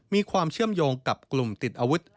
มีความเชื่อมโยงกับกลุ่มติดอาวุธ